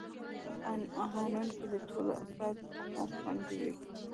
قانون کي د ټولو افرادو حقوق خوندي وي.